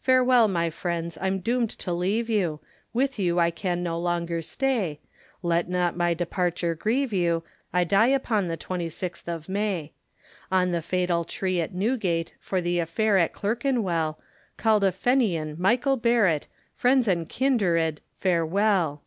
Farewell, my friends, I'm doomed to leave you, With you I can no longer stay, Let not my departure grieve you, I die upon the twenty sixth of May, On the fatal tree at Newgate, For the affair at Clerkenwell, Called a Fenian, Michael Barrett, Friends and kindred, farewell!